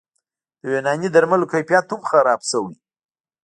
د یوناني درملو کیفیت هم خراب شوی